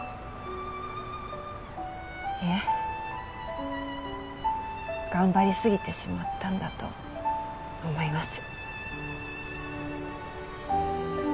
いえ頑張りすぎてしまったんだと思います。